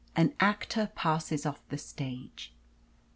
AN ACTOR PASSES OFF THE STAGE.